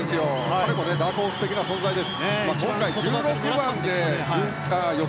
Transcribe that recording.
彼もダークホース的な存在ですね。